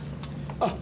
あっ。